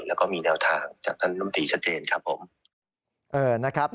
แล้วก็มีแนวทางจากท่านลมตรีชัดเจนครับผมนะครับ